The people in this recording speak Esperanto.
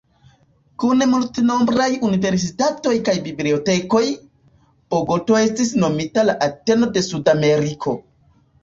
Kun multenombraj universitatoj kaj bibliotekoj, Bogoto estis nomita "La Ateno de Sudameriko".